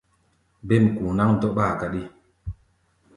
Ɓêm ku̧u̧ náŋ dɔ́ɓáa káɗí.